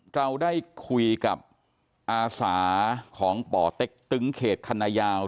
เราได้คุยกับอาสาของป่อเต็กตึงเขตคณะยาว